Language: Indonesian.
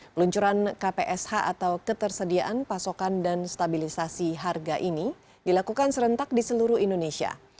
peluncuran kpsh atau ketersediaan pasokan dan stabilisasi harga ini dilakukan serentak di seluruh indonesia